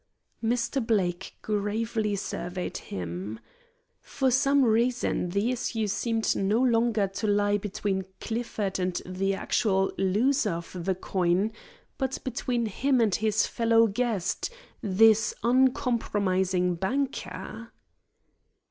Mr. Blake gravely surveyed him. For some reason the issue seemed no longer to lie between Clifford and the actual loser of the coin, but between him and his fellow guest, this uncompromising banker.